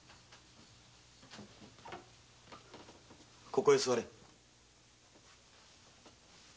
ここへ座れ。